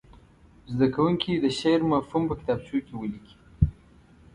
زده کوونکي دې د شعر مفهوم په کتابچو کې ولیکي.